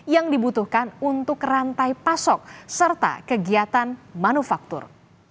yang dibutuhkan untuk rantai pasok serta kegiatan manufaktur